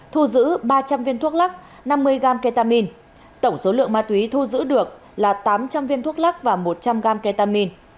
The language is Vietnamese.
thu giữ ba trăm linh viên thuốc lắc năm mươi gram ketamin tổng số lượng ma túy thu giữ được là tám trăm linh viên thuốc lắc và một trăm linh gram ketamin